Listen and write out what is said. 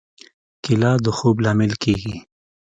کېله د خوب لامل کېږي.